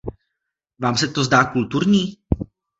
Vám se to zdá kulturní?